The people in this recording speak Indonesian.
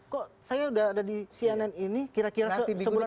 kok saya sudah ada di cnn ini kira kira sebulan lalu